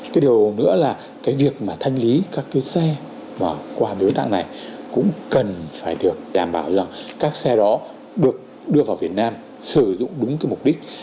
cái điều nữa là cái việc mà thanh lý các cái xe quà biếu tặng này cũng cần phải được đảm bảo rằng các xe đó được đưa vào việt nam sử dụng đúng cái mục đích